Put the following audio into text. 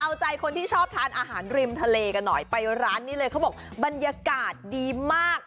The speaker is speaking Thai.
เอาใจคนที่ชอบทานอาหารริมทะเลกันหน่อยไปร้านนี้เลยเขาบอกบรรยากาศดีมาก